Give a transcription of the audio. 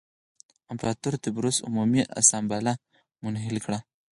امپراتور تبریوس عمومي اسامبله منحل کړه